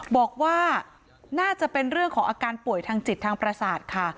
บอกว่าน่าจะเป็นเรื่องของอาการป่วยทางจิตทางประสาทค่ะ